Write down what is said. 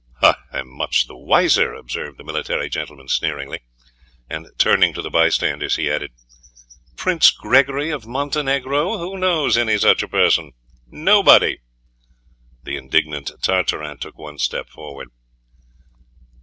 "I am much the wiser!" observed the military gentleman sneeringly; and turning to the bystanders he added: "'Prince Gregory of Montenegro' who knows any such a person? Nobody!" The indignant Tartarin took one step forward.